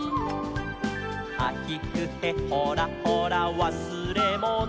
「はひふへほらほらわすれもの」